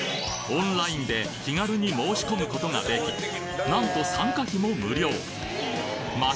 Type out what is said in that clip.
オンラインで気軽に申し込むことができ何と参加費も無料街